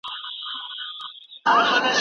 د تاترې او د بونير تاج يې